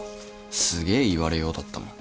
すげえ言われようだったもん。